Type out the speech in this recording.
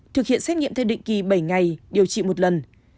thực hiện xét nghiệm theo định kỳ bảy ngày điều trị một lần